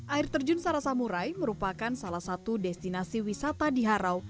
air terjun sarasamurai merupakan salah satu destinasi wisata di harau